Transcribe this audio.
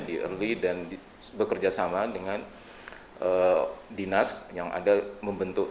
di early dan bekerjasama dengan dinas yang ada membentuk